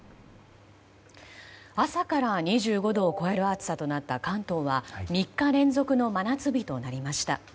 朝から２５度を超える暑さとなった関東は３日連続の真夏日となりました。